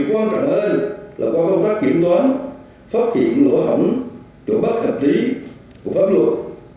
quan trọng hơn là qua công tác kiểm toán phát triển lỗ hổng chỗ bất hợp lý của pháp luật